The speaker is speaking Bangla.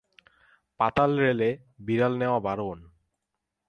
পাতাল রেলে বিড়াল নেওয়া বারণ।